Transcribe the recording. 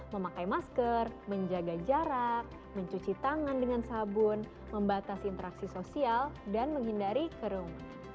memakai masker menjaga jarak mencuci tangan dengan sabun membatasi interaksi sosial dan menghindari kerung